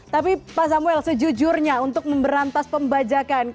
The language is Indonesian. tapi pak samuel sejujurnya untuk memberantas pembajakan